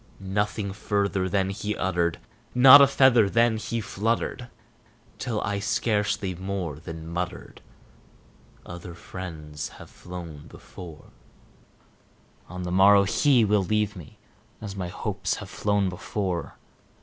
Nothing further then he uttered not a feather then he fluttered Till I scarcely more than muttered, "Other friends have flown before On the morrow he will leave me, as my hopes have flown before."